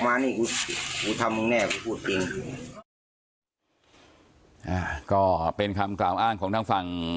ไม่ยิ้มถูกว่าตอนเช้าก็ทะลอค่อนรอบหนึ่ง